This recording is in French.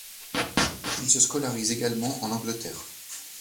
Il se scolarise également en Angleterre.